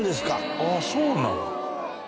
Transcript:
あっそうなんだ。